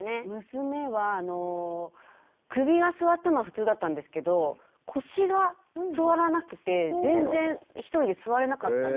娘は首がすわったのは普通だったんですけど腰がすわらなくて全然一人で座れなかったんですよ。